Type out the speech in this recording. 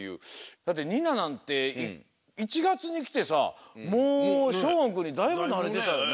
だってニナなんて１がつにきてさもうしょうおんくんにだいぶなれてたよね。